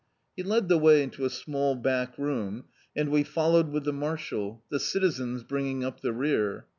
He led the way into a small back room, and we followed with the marshal, the citizens bringing up the rear.